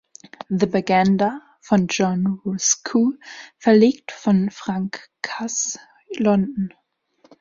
„The Baganda“ von John Roscoe, verlegt von Frank Cass, London.